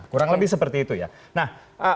kurang lebih seperti itu ya nah